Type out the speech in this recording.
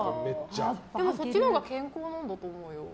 そっちのほうが健康なんだと思うよ。